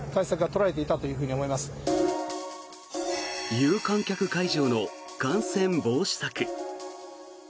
有観客会場の感染防止策。